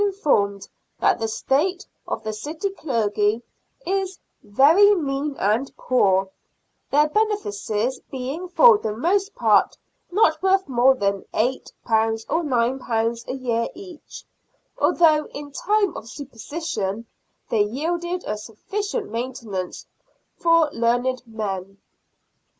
informed that the state of the city clergy " is very mean and poor," their benefices being for the most part not worth more than £8 or £g a year each, although in time of superstition they yielded a sufficient maintenance for learned men.